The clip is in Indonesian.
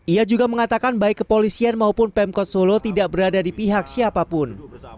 ia juga mengatakan baik kepolisian maupun pemkot solo tidak berada di pihak siapapun